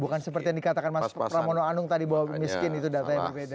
bukan seperti yang dikatakan mas pramono anung tadi bahwa miskin itu data yang berbeda